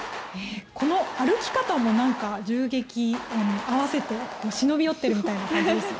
この歩き方もなんか銃撃音に合わせて忍び寄っているみたいな感じですよね。